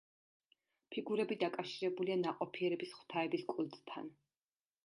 ფიგურები დაკავშირებულია ნაყოფიერების ღვთაების კულტთან.